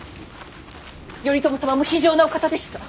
頼朝様も非情なお方でした。